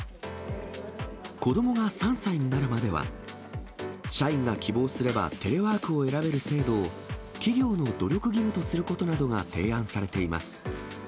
子どもが３歳になるまでは、社員が希望すればテレワークを選べる制度を企業の努力義務とすることなどが提案されています。